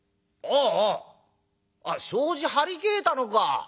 あああっ障子張り替えたのか。